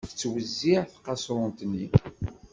Tettwezziε tqaṣrunt-nni.